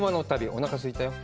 おなかすいたよ。